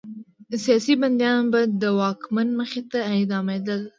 سیاسي بندیان به د واکمن مخې ته اعدامېدل.